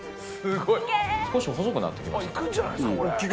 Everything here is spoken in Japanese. ・少し細くなってきましたか・うん。